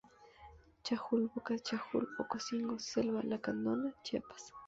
Chajul, Boca de Chajul, Ocosingo; selva Lacandona, Chiapas.